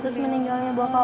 harus meninggalnya bokap lo